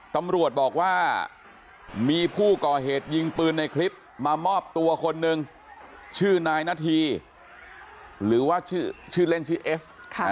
ตำรวจบอกว่ามีผู้ก่อเหตุยิงปืนในคลิปมามอบตัวคนนึงชื่อนายนาธีหรือว่าชื่อเล่นชื่อเอส